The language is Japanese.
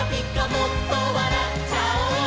もっと笑っちゃおう！」